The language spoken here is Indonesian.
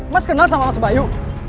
mas kenal sama mas bayu